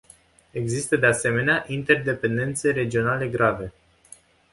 Există, de asemenea, interdependențe regionale grave.